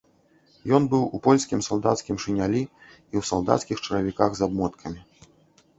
Ён быў у польскім салдацкім шынялі і ў салдацкіх чаравіках з абмоткамі.